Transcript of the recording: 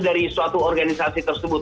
dari suatu organisasi tersebut